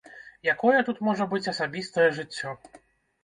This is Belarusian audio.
Якое тут можа быць асабістае жыццё?